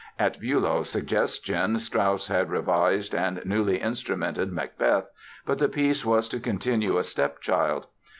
At Bülow's suggestion Strauss had revised and newly instrumented Macbeth but the piece was to continue a stepchild.